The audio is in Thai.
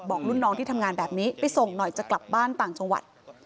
บอกรุ่นน้องที่ทำงานแบบนี้ไปส่งหน่อยจะกลับบ้านต่างจังหวัด